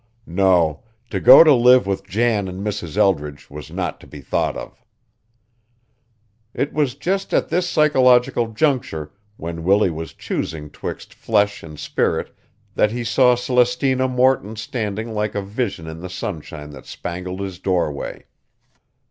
No, to go to live with Jan and Mrs. Eldridge was not to be thought of. It was just at this psychological juncture, when Willie was choosing 'twixt flesh and spirit, that he saw Celestina Morton standing like a vision in the sunshine that spangled his doorway.